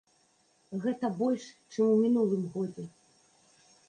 Гэта больш, чым у мінулым годзе.